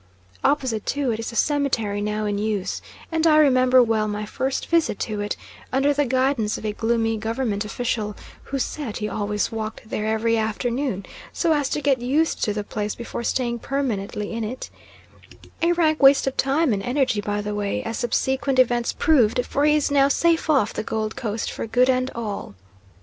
Opposite to it is the cemetery now in use, and I remember well my first visit to it under the guidance of a gloomy Government official, who said he always walked there every afternoon, "so as to get used to the place before staying permanently in it," a rank waste of time and energy, by the way, as subsequent events proved, for he is now safe off the Gold Coast for good and all.